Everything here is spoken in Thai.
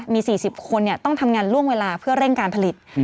มี๔๐คนต้องทำงานล่วงเวลาเพื่อเร่งการผลิต